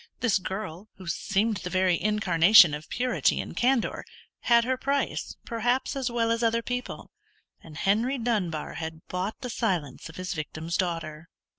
This girl, who seemed the very incarnation of purity and candour, had her price, perhaps, as well as other people, and Henry Dunbar had bought the silence of his victim's daughter.